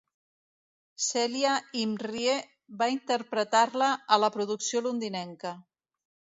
Celia Imrie va interpretar-la a la producció londinenca.